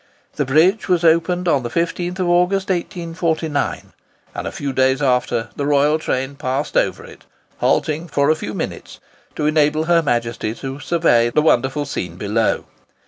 The bridge was opened on the 15th August, 1849, and a few days after the royal train passed over it, halting for a few minutes to enable her Majesty to survey the wonderful scene below.